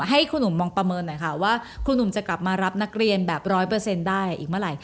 ให้ครูหนุ่มมองประเมินหน่อยค่ะว่าครูหนุ่มจะกลับมารับนักเรียนแบบ๑๐๐ได้อีกเมื่อไหร่